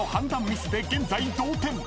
ミスで現在同点］